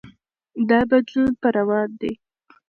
دا بدلون به روان وي.